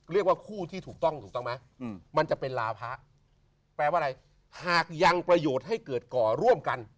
เรียกว่าคู่ที่ถูกต้องถูกต้องไหมมันจะเป็นลาพะแปลว่าอะไรหากยังประโยชน์ให้เกิดก่อร่วมกัน